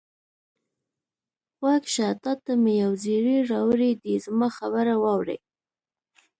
غوږ شه، تا ته مې یو زېری راوړی دی، زما خبره واورئ.